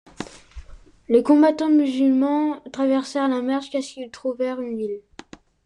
Les combattants Musulmans traversèrent la mer jusqu’à ce qu’ils trouvèrent une ile.